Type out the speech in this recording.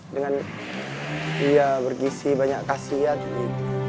dengan ya bergisi banyak kasihan gitu